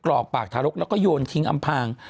รอกปากทารกแล้วก็โยนทิ้งอำพาง